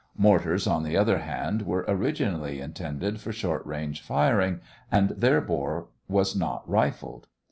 Mortars, on the other hand, were originally intended for short range firing, and their bore was not rifled.